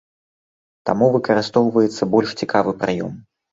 Таму выкарыстоўваецца больш цікавы прыём.